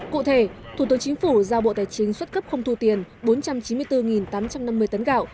cụ thể thủ tướng chính phủ giao bộ tài chính xuất cấp không thu tiền bốn trăm chín mươi bốn tám trăm năm mươi tấn gạo